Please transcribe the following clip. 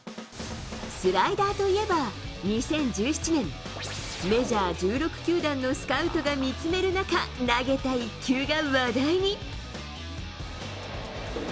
スライダーといえば、２０１７年、メジャー１６球団のスカウトが見つめる中、投げた一球が話題に。